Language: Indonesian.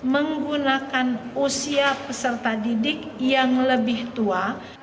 menggunakan usia peserta didik yang lebih tua